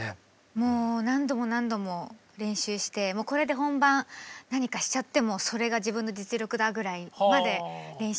もう何度も何度も練習してこれで本番何かしちゃってもそれが自分の実力だぐらいまで練習しました。